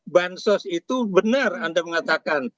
bansos itu benar anda mengatakan